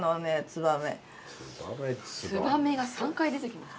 つばめが３回出てきます。